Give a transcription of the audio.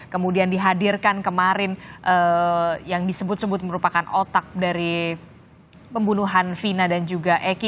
kemudian dihadirkan kemarin yang disebut sebut merupakan otak dari pembunuhan vina dan juga eki